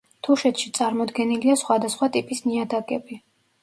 თუშეთში წარმოდგენილია სხვადასხვა ტიპის ნიადაგები.